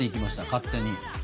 勝手に。